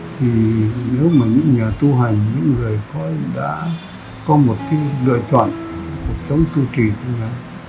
thì nếu mà những nhà tu hành những người có một cái lựa chọn cuộc sống tu trì chẳng hạn